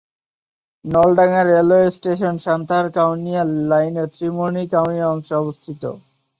Naldanga railway station সান্তাহার-কাউনিয়া লাইনের ত্রিমোহনী-কাউনিয়া অংশে অবস্থিত।